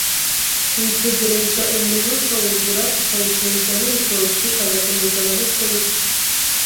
witegereza umurima akawugura, akawutezamo urutoki agakomeza amaboko ye